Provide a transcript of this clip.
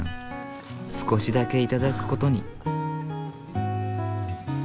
少しだけ頂く事に。